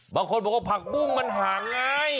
บางคนบอกว่าผักบุ้งมันห่างไง